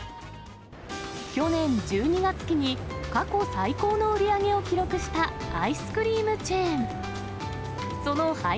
去年１２月期に、過去最高の売り上げを記録したアイスクリームチェーン。